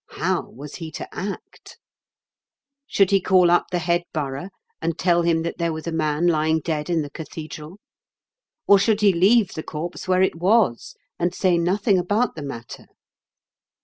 How was he to act ? Should he call up the 108 IN KENT WITH CHARLES DICKENS. head borough, and tell him that there was a man lying dead in the cathedral ? Or should he leave the corpse where it was, and say nothing about the matter